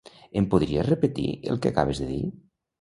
Em podries repetir el que acabes de dir?